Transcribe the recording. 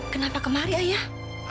kenapa kemari ayah